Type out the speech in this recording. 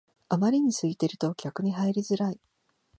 あまりに空いてると逆に入りづらい